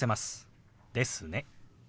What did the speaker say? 「ですね」。